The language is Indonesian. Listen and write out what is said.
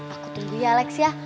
aku tunggu ya alex ya